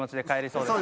そうです。